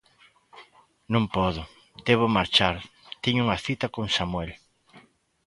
Non podo, debo marchar, teño unha cita con Samuel.